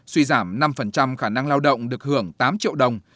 suy giảm năm khả năng lao động được hưởng tám triệu đồng